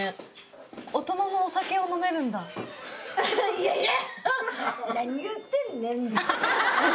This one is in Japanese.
いやいや。